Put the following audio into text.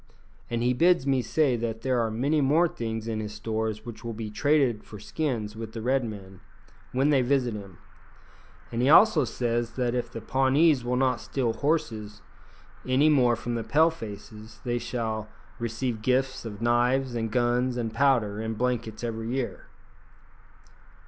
And he bids me say that there are many more things in his stores which will be traded for skins with the Red men, when they visit him; and he also says that if the Pawnees will not steal horses any more from the Pale faces, they shall receive gifts of knives, and guns, and powder, and blankets every year."